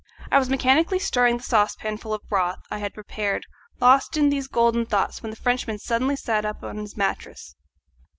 I was mechanically stirring the saucepan full of broth I had prepared, lost in these golden thoughts, when the Frenchman suddenly sat up on his mattress.